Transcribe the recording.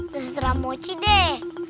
terserah mochi deh